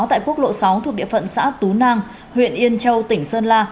tại quốc lộ sáu thuộc địa phận xã tú nang huyện yên châu tỉnh sơn la